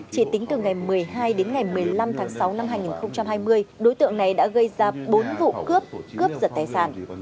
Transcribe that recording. chỉ tính từ ngày một mươi hai đến ngày một mươi năm tháng sáu năm hai nghìn hai mươi đối tượng này đã gây ra bốn vụ cướp cướp giật tài sản